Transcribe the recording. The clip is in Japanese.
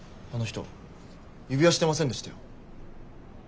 あの人指輪してませんでしたよ。